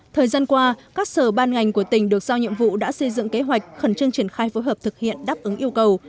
thời gian qua các sở ban ngành của tỉnh được giao nhiệm vụ đã xây dựng kế hoạch khẩn trương triển khai phối hợp thực hiện đáp ứng yêu cầu